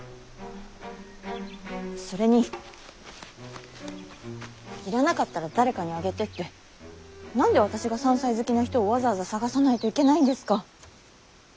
それに要らなかったら誰かにあげてって何で私が山菜好きな人をわざわざ探さないといけないんですか。